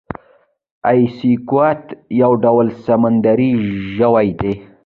ایکسکوات یو ډول سمندری ژوی دی